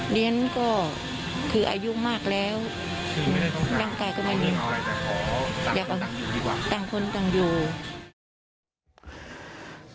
ดิฉันก็คืออายุมากแล้วร่างกายก็ไม่รีบแต่ขอต่างคนต่างอยู่ดีกว่า